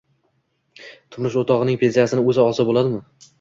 turmush o‘rtog‘ining pensiyasini o‘zi olsa bo‘ladimi?